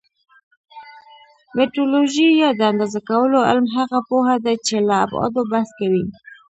میټرولوژي یا د اندازه کولو علم هغه پوهه ده چې له ابعادو بحث کوي.